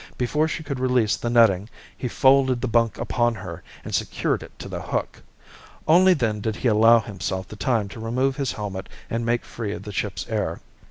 Before she could release the netting, he folded the bunk upon her and secured it to the hook. Only then did he allow himself the time to remove his helmet and make free of the ship's air.